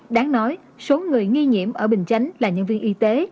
đáng nói số người nghi nhiễm ở bình chánh là nhân viên y tế